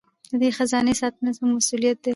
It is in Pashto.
د دې خزانې ساتنه زموږ مسوولیت دی.